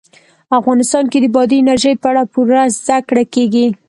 افغانستان کې د بادي انرژي په اړه پوره زده کړه کېږي.